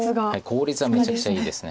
効率はめちゃくちゃいいです。